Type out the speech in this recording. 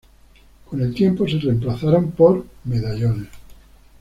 Con el tiempo, se reemplazaron por medallones.